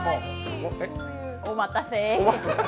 お待たせ。